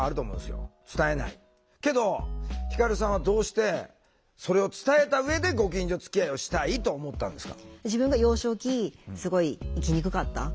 けど輝さんはどうしてそれを伝えた上でご近所づきあいをしたいと思ったんですか？